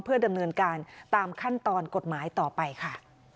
เพื่อดำเนินการตามขั้นตอนกฎหมายต่อไปค่ะ